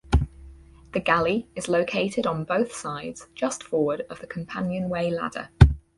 The galley is located on both sides just forward of the companionway ladder.